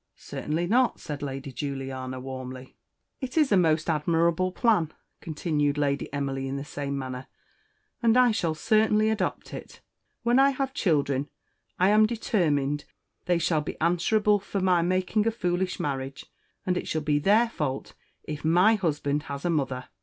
"Certainly not," said Lady Juliana, warmly. "It is a most admirable plan," continued Lady Emily in the same manner, "and I shall certainly adopt it. When I have children I am determined they shall be answerable for my making a foolish marriage; and it shall be their fault if my husband has a mother.